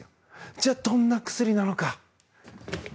じゃあ、どんな薬なのか。